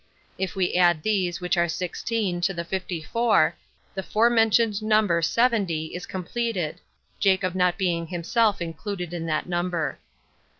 If we add these, which are sixteen, to the fifty four, the forementioned number 70 is completed 11 Jacob not being himself included in that number.